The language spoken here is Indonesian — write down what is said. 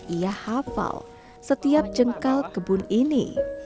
ia hafal setiap jengkal kebun ini